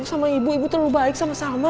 susah sama ibu ibu terlalu baik sama salma